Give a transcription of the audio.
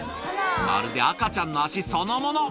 まるで赤ちゃんの足そのもの。